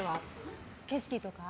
景色とか。